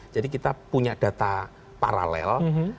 jadi kita punya data paralel